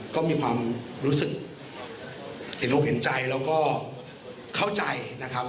ก็มีความรู้สึกเห็นอกเห็นใจแล้วก็เข้าใจนะครับ